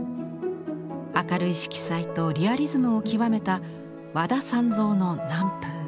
明るい色彩とリアリズムを極めた和田三造の「南風」。